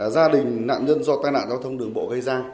gia đình nạn nhân do tai nạn giao thông đường bộ gây ra